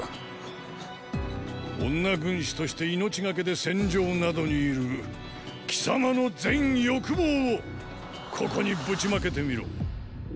女軍師として命懸けで戦場などにいる貴様の“全欲望”をここにぶちまけてみろ。